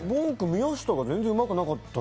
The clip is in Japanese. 宮下が全然うまくなかった。